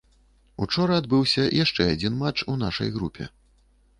Учора адбыўся яшчэ адзін матч у нашай групе.